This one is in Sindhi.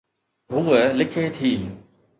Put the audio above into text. هوءَ لکي ٿي